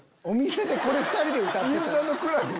お店でこれ２人で歌ってたら。